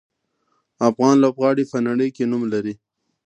افغان لوبغاړي په نړۍ کې نوم لري.